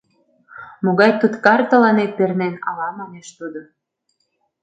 — Могай туткар тыланет пернен, ала, — манеш тудо.